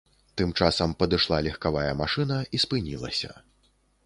Тым часам падышла легкавая машына і спынілася.